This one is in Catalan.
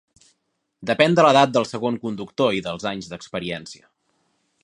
Depèn de l'edat del segon conductor i dels anys d'experiència.